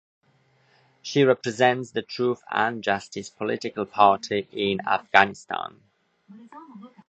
She represents the Truth and Justice political party in Afghanistan.